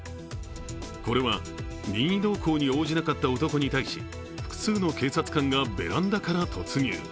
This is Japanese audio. これは任意同行に応じなかった男に対し、複数の警察官がベランダから突入。